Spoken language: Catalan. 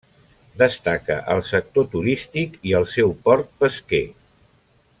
Destaca el sector turístic i el seu port pesquer.